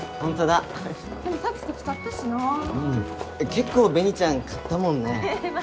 結構紅ちゃん買ったもんね。